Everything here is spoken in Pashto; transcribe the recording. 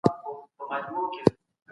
ژوند د الهي روح یوه ډالۍ ده.